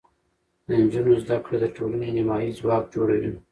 د نجونو زده کړه د ټولنې نیمایي ځواک جوړوي.